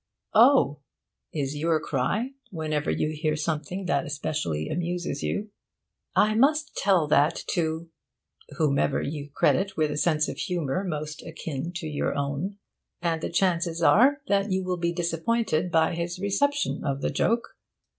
'Oh,' is your cry, whenever you hear something that especially amuses you, 'I must tell that to' whomever you credit with a sense of humour most akin to your own. And the chances are that you will be disappointed by his reception of the joke.